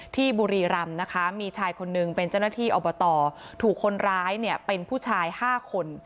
บุรีรำนะคะมีชายคนนึงเป็นเจ้าหน้าที่อบตถูกคนร้ายเนี่ยเป็นผู้ชาย๕คน